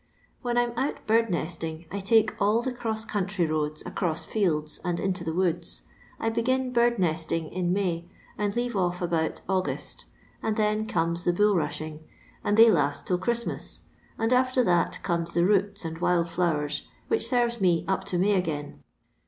When I 'm out bird nesting I take all the cross country roads across fields and into the woods. I begin bird nesting in Xsy and leave off about August, and then comes the bnl* rushing, and they last till Christmas ; and after thst comes the roou and wild flowers, which serves me up to May again.